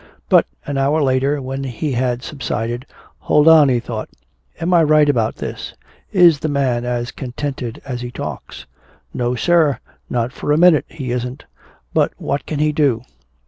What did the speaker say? But an hour later, when he had subsided, "Hold on," he thought. "Am I right about this? Is the man as contented as he talks? No, sir, not for a minute he isn't! But what can he do?